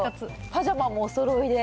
パジャマもおそろいで。